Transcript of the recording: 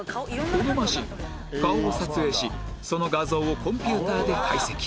このマシン顔を撮影しその画像をコンピューターで解析